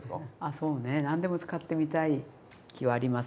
そうね何でも使ってみたい気はあります